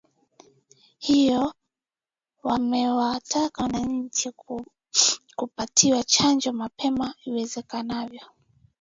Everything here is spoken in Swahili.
hiyo wamewataka wananchi kupatiwa chanjo mapema iwezekanavyo